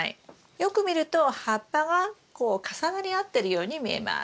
よく見ると葉っぱがこう重なり合ってるように見えます。